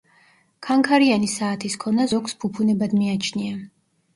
ქანქარიანი საათის ქონა ზოგს ფუფუნებად მიაჩნია.